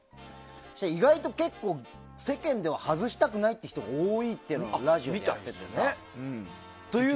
意外と、結構世間では外したくないって人が多いっていうのラジオでやってた。